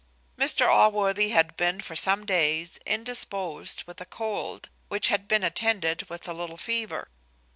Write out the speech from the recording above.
Mr Allworthy had been for some days indisposed with a cold, which had been attended with a little fever.